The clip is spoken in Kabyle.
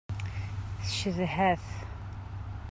Tcedha-t.